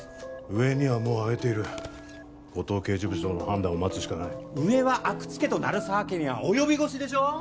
上にはもう上げている五嶋刑事部長の判断を待つしかない上は阿久津家と鳴沢家には及び腰でしょう？